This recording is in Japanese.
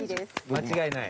間違いない。